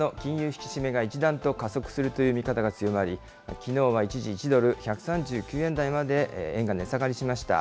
引き締めが一段と加速するという見方が強まり、きのうは一時１ドル１３９円台まで円が値下がりしました。